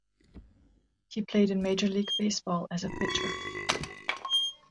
He played in Major League Baseball as a pitcher.